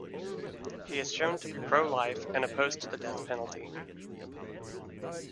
He is shown to be pro-life and opposed to the death penalty.